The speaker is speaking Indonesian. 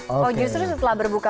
oh justru setelah berbuka puasa